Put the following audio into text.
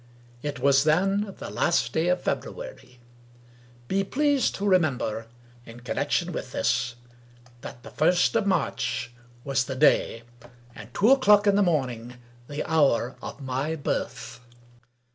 It was then the last day of February. Be pleased to remember, in con nection with this, that the first of March was the day, and two o'clock in the morning the hour of my birth.